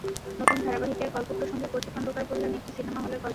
নতুন ধারাবাহিকের গল্প প্রসঙ্গে কচি খন্দকার বললেন, একটি সিনেমা হলের গল্প এটি।